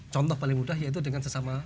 contoh paling mudah yaitu dengan sesama